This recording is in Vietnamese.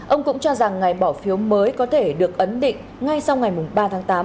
ông cũng cho rằng ngày bỏ phiếu mới có thể được ấn định ngay sau ngày ba tháng tám